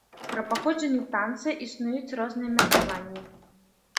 Пра паходжанне танца існуюць розныя меркаванні.